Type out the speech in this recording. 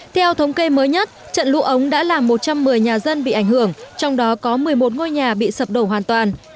theo thống kê mới nhất trận lũ ống đã làm một trăm một mươi nhà dân bị ảnh hưởng trong đó có một mươi một ngôi nhà bị sập đổ hoàn toàn